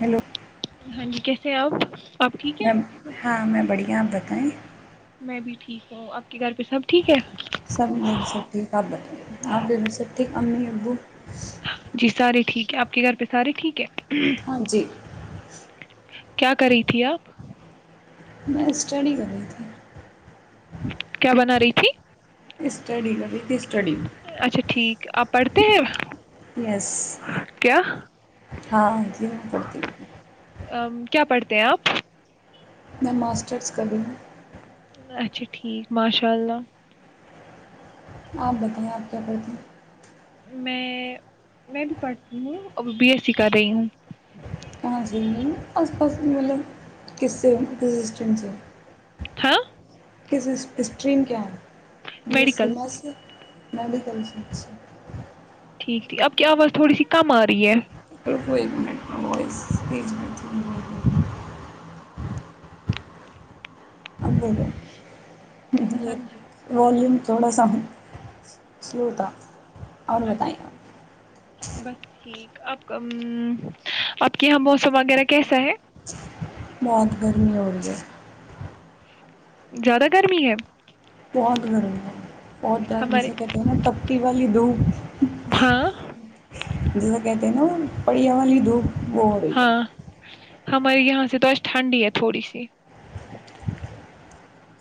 hello ہاں جی کیسے ہیں آپ ٹھیک ہے میں ہاں میں بڑیا ب ات میں بھی ٹھیک ہوں آپ کے گھر پہ سب ٹھیک ہے سب بی سیک آ آب بی ب سٹیک امی ابو جی سارے ٹھیک آ کے گھر پہ سارے ٹھیک ہے ہاں جی کیا کری تھی آپ میں اسٹڈی کر رہی تھی کیا بنا رہی تھی اسٹڈی کاب کی اسٹڈی اچھا ٹھیک آپ پڑھتے ہیں یس کیا ہاں ج پڑتی ہو کیا پڑھتے ہیں آپ میں ماسٹرس کری ہوں اچھا ٹھیک ماشاء اللہ آپ بتائیں آپ کیا کرتی ہیں میں میں بھی پڑھتی ہوں اور بی ایس سی کر رہی ہوں آاں چاہی آس پاس مطلب کس سے م سسٹمس ہے ہاں کس اسٹریم کے ہیں ج میڈیکل سمس میڈیکل سچ ٹھیک ٹھیک آپ کی آواز تھوڑی سی کم آ رہی ہے مٹ و ا گ ج ہاں جی والوم تھوڑا سام سلوتا اور اچھا بتائیںیں ٹھیک بس ٹھیک آپ آپ کے یہاں موسم وغیرہ کیسا ہے موت گرمی ہو رہی ہے زیادہ گرمی ہے بہت گرم ہے بہت جرد ہمارے جسے کہتے ہیں نا تب پ والالی دو ہاں جیسا کہتے ہیں نا وہ پڑیاں والی دھو بڑی ہاں ہمارے یہاں سے تو آج ٹھنڈی ہے تھوڑی سی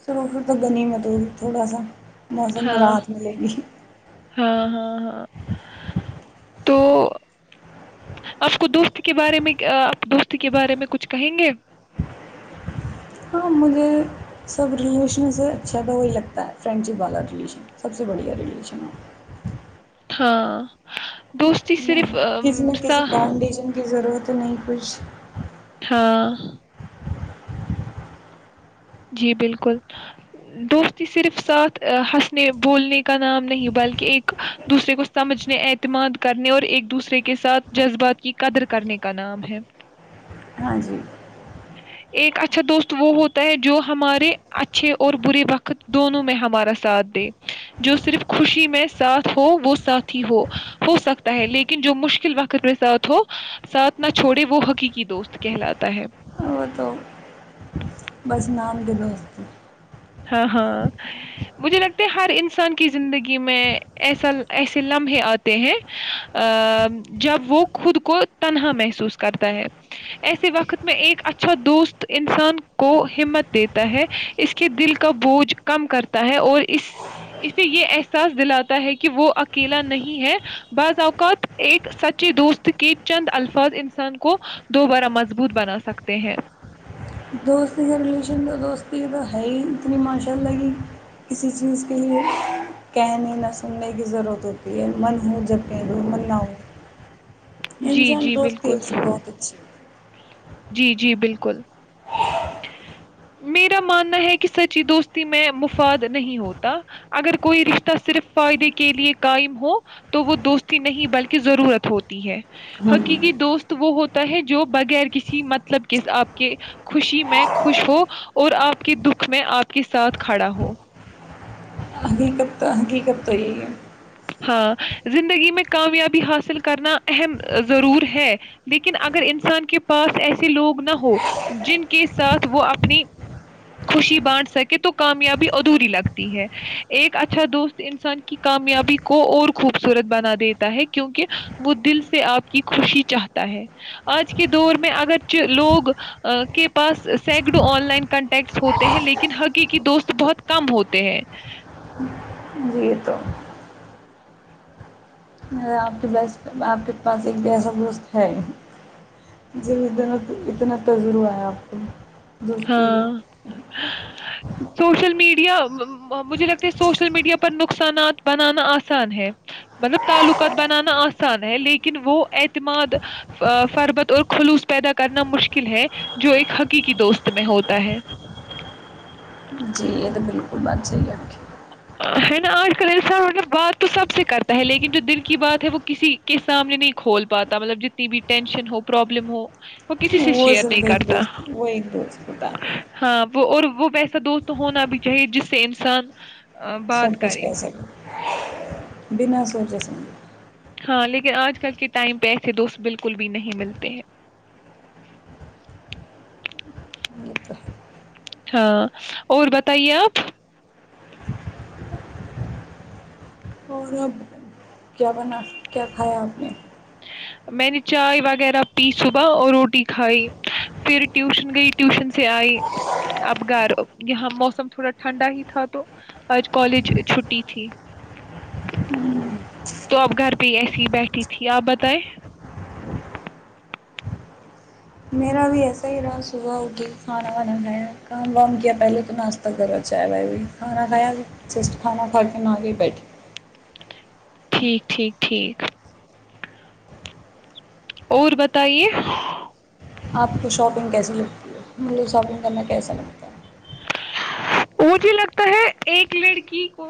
سروف تو گ نہیں میںت تھوڑا سا موسم میں ہاں راحات ملے گی ہاں ہاں ہاں تو آپ کو دوست کے بارے میں آپ دوست کے بارے میں کچھ کہیں گے ہاں مجھے سب ریلیشنوں سے اچھا تو وہی لگتا ہے فرینڈ شپ والا ریلیشن سب سے بڑھیا ریلیشن ہو ہاں دوستی صرف کسی نہ کسی باؤنڈیشن کی ضرورت تو نہیں کچھ ہاں [unintelligible] جی بالکل دوستی صرف ساتھ ہنسنے بولنے کا نام نہیں بلکہ ایک دوسرے کو سمجھنے اعتماد کرنے اور ایک دوسرے کے ساتھ جذبات کی قدر کرنے کا نام ہے ہاں جی [unintelligible] ایک اچھا دوست وہ ہوتا ہے جو ہمارے اچھے اور برے وقت دونوں میں ہمارا ساتھ دے جو صرف خوشی میں ساتھ ہو وہ ساتھی ہو ہو سکتا ہے لیکن جو مشکل وقت میں ساتھ ہو ساتھ نہ چھوڑے وہ حقیقی دوست کہلاتا ہے وہ تو بس نام کے دوست [unintelligible] ہاں ہاں مجھے لگتا ہر انسان کی زندگی میں ایسا ایسے لمحے آتے ہیں ا جب وہ خود کو تنہا محسوس کرتا ہے ایسے وقت میں ایک اچھا دوست انسان کو ہمت دیتا ہے اس [unintelligible] کے دل کا بوجھ کم کرتا ہے اور اس اسے یہ احساس دلاتا ہے کہ وہ اکیلا نہیں ہے بعض اوقات ایک سچے دوست کے چند الفاظ انسان کو دوبارہ مضبوط بنا سکتے ہیں [unintelligible] دوست کا ریلیشن تو دوستی کی تو ہے ہی اتنی ماشاء اللہ کہ کسی چیز کے ہی کہنے نہ سننے کی ضرورت ہوتی من ہو جب پہ من نہ ہو جی انسان جی دوستی بالکل سے بہت اچھے جی جی بالکل [unintelligible] میرا ماننا ہے کہ سچی دوستی میں مفاد نہیں ہوتا اگر کوئی رشتہ صرف فائدے کے لیے قائم ہو تو وہ دوستی نہیں بلکہ ضرورت ہوتی ہے حقیقی دوست [unintelligible] وہ ہوتا ہے جو بغیر کسی مطلب کے آپ کے خوشی میں خوش ہو اور آپ کے دکھ میں آپ کے ساتھ کھڑا ہو [unintelligible] حقیقت تو حقیقت تو یہ ہے [unintelligible] ہاں زندگی میں کامیابی حاصل کرنا اہم ضرور ہے لیکن اگر انسان کے پاس ایسے لوگ نہ ہو جن کے ساتھ وہ اپنی خوشی بانٹ سکے تو کامیابی ادھوری لگتی ہے ایک اچھا دوست انسان کی کامیابی کو اور خوبصورت بنا دیتا ہے کیونک وہ دل سے آپ کی خوشی چاہتا ہے آج کے دور میں اگر لوگ کے پاس سکڑو آن لائن کانٹیکٹس ہوتے ہیں لیکن حقیقی دوست بہت کم ہوتے ہیں [unintelligible] جی یہ تو مے آپ کے بیسٹ آپ کے پاس ایک جسا دوست ہے جب اتنا اتنا تجرب آیا آپ کو دوستی ہاں کا سوشل میڈیا مجھے لگتا ہے سوشل میڈیا پر نقصانات بنانا آسان ہے مطلب تعلقات بنانا آسان ہے لیکن وہ اعتماد فربت اور خلوص پیدا کرنا مشکل ہے جو ایک حقیقی دوست میں ہوتا ہے جی یہ تو بالکل بات صاہی آپ کی [unintelligible] ہے نا آج کل انسان مطل بات تو سب سے کرتا ہے لیکن جو دل کی بات ہے وہ کسی کے سامنے نہیں کھول پاتا مطلب جتنی بھی ٹینشن ہو پرابلم ہو کسی سے وہ شیئر نہیں رگ ایک کرتا دوست وہ ایک دوست بتاے [unintelligible] ہاں وہ اور وہ بھی ایسا دوست ہونا بھی چاہیے جس سے انسان [unintelligible] بات سب کچھ کریں کہہ [unintelligible] سکیں بنا سوچے سے [unintelligible] ہاں لیکن آج کل کے ٹائم پہ ایسے دوست بالکل بھی نہیں ملتے ہیں [unintelligible] یہ تو ہے ہاں اور بتائیے آپ اور اب کیا بنا کیا کھایا آپ نے [unintelligible] میں نے چائے وغیرہ پی صبح اور روٹی کھائی پھر ٹیوشن گئی ٹیوشن سے آئی اب گھر یہاں موسم تھوڑا ٹھنڈا ہی تھا تو آج کالج چھٹی تھی تو آپ گھر پہ ہی ایسیے ہی بیٹھی تھی آپ بتائے [unintelligible] ٹھیک ٹھیک ٹھیک اور بتائیے آپ کو شاپنگ کیسی لگتی ہے مطلب شاپنگ کرنا کیسا لگتا ہے مجھے لگتا ہے ایک لڑکی کو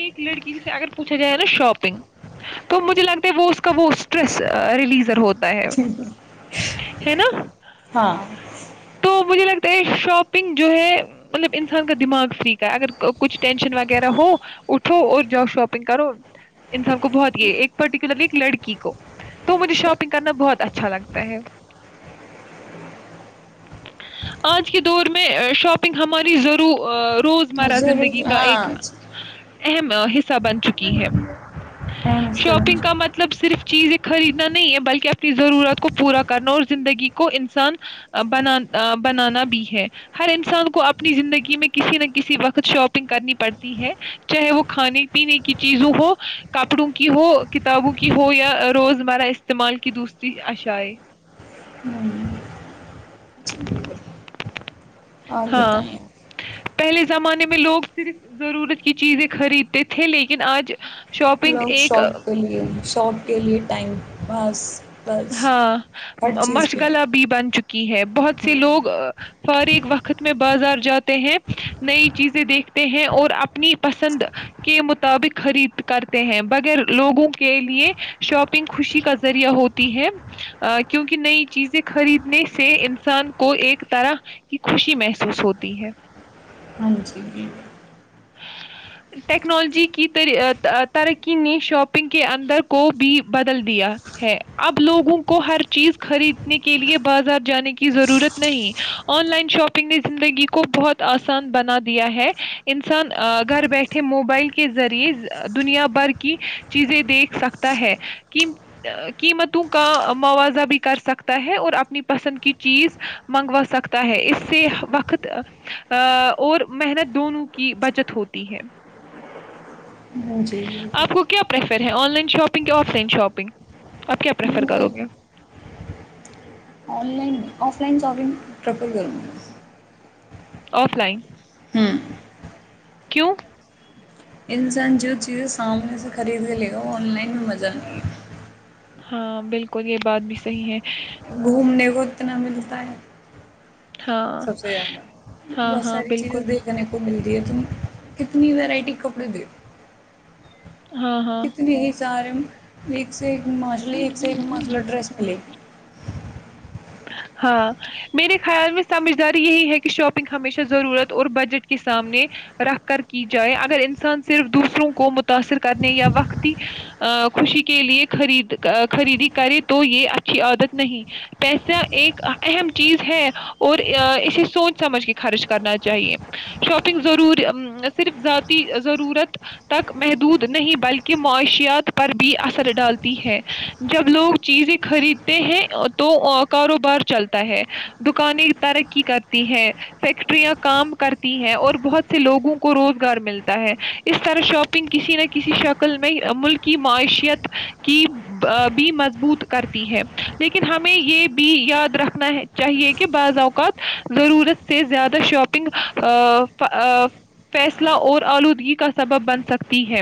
ایک لڑکی سے اگر پوچھا جائے نا شاپنگ تو مجھے لگتا ہے وہ اس کا وہ اسٹریس ریلیزر ہوتا ہے [unintelligible] ہے نا [unintelligible] ہاں تو مجھے لگتا ہے شاپنگ جو ہے مطلب [unintelligible] انسان کا دماغ فری کا ہے اگر کچھ ٹینشن وغیرہ ہو اٹھو اور جاؤ شاپنگ کرو انسان کو بہت یہ ایک پرٹیکولرلی ایک لڑکی کو تو مجھے شاپنگ کرنا بہت اچھا لگتا ہے آج کے دور میں شاپنگ ہم [unintelligible] اری ضرور [unintelligible] روزمرہ زندگی ضرور کا ایک ہاں [unintelligible] اہم حصہ بن چکی ہے ٹائم اس سے بن شاپنگ کا چکا مطلب صرف چیزیں خریدنا نہیں ہے بلکہ اپنی ضرورت کو پورا کرنا اور زندگی کو انسان بنان بنانا بھی ہے ہر انسان کو اپنی زندگی میں کسی نہ کسی وقت شاپنگ کرنی پڑتی ہے چاہے وہ کھانے پینے کی چیزوں ہو کپڑوں کی ہو کتابوں کی ہو یا روز مرہ استعمال کی دوسری اشء جی بالکل اور ہاں بتائیں پہلے زمانے میں لوگ صرف ضرورت کی چیزیں خریدتے تھے لیکن آج شاپنگ لانگ ایک شارٹ کے لیے شارٹ کے لیے ٹائم پس ہاں مشغلا بھی بن چکی کی ہے بہت سے لوگ فارغ وقت میں بازار جاتے ہیں نئی چیزیں دیکھتے ہیں اور اپنی پسند کے مطابق خرید کرتے ہیں بغیر لوگوں کے لیے شاپنگ خوشی کا ذریعہ ہو ہے کیونکہ نئی چیزیں خریدنے سے انسان کو ایک طرح کی خوشی محسوس ہوتی ہے ہاں جی جی ٹیکنالوجی کی ترقی نے شاپنگ کے اندر کو بھی بدل دیا ہے اب لوگوں کو ہر چیز خریدنے کے لیے بازار جانے کی ضرورت نہیں آن لائن شاپنگ نے زندگی کو بہت آسان بنا دیا ہے انسان گھر بیٹھے موبائل کے ذریعے دنیا بھر کی چیزیں دیکھ سکتا ہے قیمتوں کا موازہ بھی کر سکتا ہے اور اپنی پسند کی چیز منگوا سکتا ہے اس سے وقت اور محنت دونوں کی بچت ہوتی ہے جی ہیں آن لائن شاپنگ یا آف لائن شاپنگ آپ کیا پریفر مجھے کرو گے online offline shopping prefer کروں آف لائن ہوں کیوں انسان جو چیزیں سامنے سے خریدنے لے گا وہ آن لائن میں مزہ نہیں گ ہاں بالکل یہ بات بھی صحیح ہے کتنا ملتا ہے ہاں سب سے زیادہ ہاں بہت ہاں ساری چیزیں بالکل دیکھنے کو ملتی تم کتنی وورائٹی کے کپڑے دی ہاں ہاں کتنی ہی سار مکس مچھلی ایک سے ایک مچلہ ڈریس ملے ہاں میرے خیال میں سمجھداری یہی ہے کہ شاپنگ ہمیشہ ضرورت اور بجٹ کے سامنے رکھ کر کی جائے اگر انسان صرف دوسروں کو متاثر کرنے یا وقتی خوشی کے لیے خرید خریدی کرے تو یہ اچھی عادت نہیں پیسہ ایک اہم چیز ہے اور اسے سوچ سمجھ کے خرچ کرنا چاہیے شاپنگ ضروری صرف ذاتی ضرورت تک محدود نہیں بلکہ معاشیات پر بھی اثر ڈالتی ہے جب لوگ چیزیں خریدتے ہیں تو کاروبار چلتا ہے دکانیں ترقی کرتی ہیں فیکٹریاں کام کرتی ہیں اور بہت سے لوگوں کو روزگار ملتا ہے اس طرح شاپنگ کسی نہ کسی شکل میں ملک کی معیشیت کی بھی مضبوط کرتی ہے لیکن ہمیں یہ بھی یاد رکھنا چاہیے کہ بعض اوقات ضرورت سے زیادہ شاپنگ فیصلہ اور آلودگی کا سبب بن سکتی ہے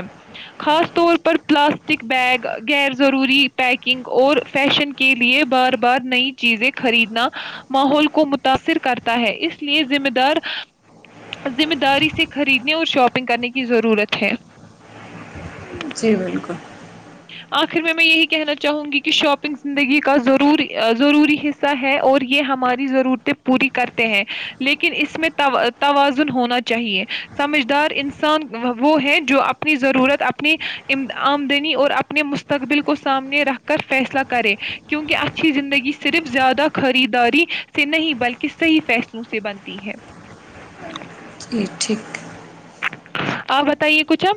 خاص طور پر پلاسٹک بیگ غیر ضروری پیکنگ اور فیشن کے لیئے بار بار نئی چیزیں خریدنا ماحول کو متاثر کرتا ہے اس لیے ذمہ داری سے خریدنے اور شاپنگ کرنے کی ضرورت ہے جی بالکل آخر میں میں یہی کہنا چاہوں گی کہ شاپنگ زندگی کا ضروری ضروری حصہ ہے اور یہ ہماری ضرورتیں پوری کرتے ہیں لیکن اس میں توازن ہونا چاہیے سمجھدار انسان وہ ہے جو اپنی ضرورت اپنی آمدنی اور اپنے مستقبل کو سامنے رکھ کر فیصلہ کرے کیونکہ اچھی زندگی صرف زیادہ خریداری سے نہیں بلکہ صحیح فیصلوں سے بنتی ہے جی ٹھیک آپ بتائیے کچھ اب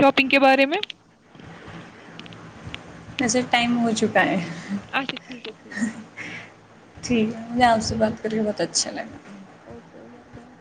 شاپنگ کے بارے میں نسر ٹائم ہو چکا ہے اچھا ٹھیک ہے ٹھیک ہے ن ٹھیک میں آپ سے بات کری کے بہت اچھا لگا اک ہو ب بائے